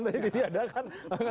tadi tidak ada kan